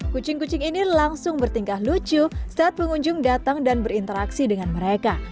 kucing kucing ini langsung bertingkah lucu saat pengunjung datang dan berinteraksi dengan mereka